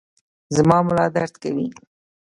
زما ملا درد کوي